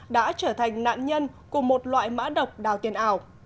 đã trở thành nạn nhân của một loại mã độc đào tiền ảo